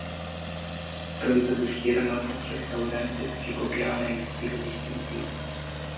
Pronto surgieron otros restaurantes que copiaban el estilo distintivo.